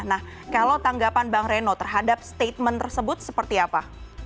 nah kalau tanggapan bang reno terhadap statement tersebut seperti apa